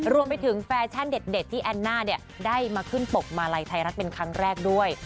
รวมไปถึงแฟชั่นเด็ดที่แอนน่าเนี่ยได้มาขึ้นปกมาลัยไทยรัฐเป็นครั้งแรกด้วย